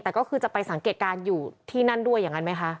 แต่ก็คือจะไปสังเกตการณ์อยู่ที่นั่นด้วยอย่างนั้นไหมคะ